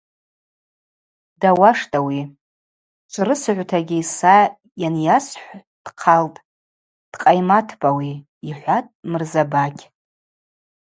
Дауаштӏ ауи, чврысыгӏвтагьи са йанйасхӏв дхъалтӏ, дкъайматпӏ ауи, – йхӏватӏ Мырзабакь.